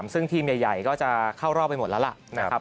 ซึ่งทีมใหญ่ก็จะเข้ารอบไปหมดแล้วล่ะนะครับ